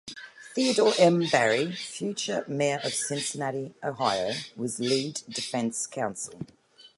Theodore M. Berry, future mayor of Cincinnati, Ohio, was lead defense counsel.